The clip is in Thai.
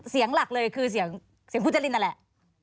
เสียงหลักเลยคือเสียงคุณจรินนั่นแหละ